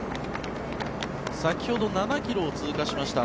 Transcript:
先ほど７ｋｍを通過しました。